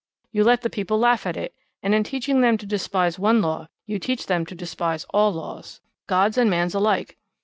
You let the people laugh at it, and in teaching them to despise one law, you teach them to despise all laws God's and man's alike.